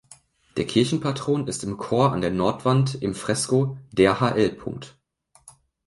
Der Kirchenpatron ist im Chor an der Nordwand im Fresko "Der hl.